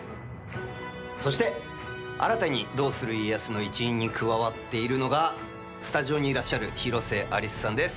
そして、新たに「どうする家康」の一員に加わっているのがスタジオにいらっしゃる広瀬アリスさんです。